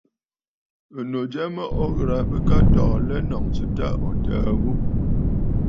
Ɨ̀nnu jya mə o ghɨrə̀ aa, bɨka tɔɔ alɛ ɨ nɔ̀ŋsə tâ ò təə ghu.